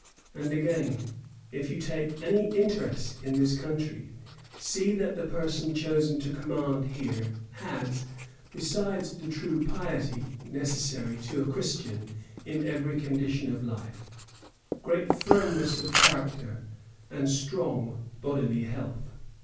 ^ And again, ^ If you take any interest in this countiy, see that the person chosen to command here has, besides the true piety necessaiy to a Christian in every condition of life, great firm ness of character and strong bodily health.